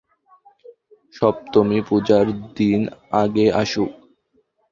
সপ্তমী পূজার দিন আগে আসুক।